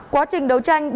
quá trình đấu tranh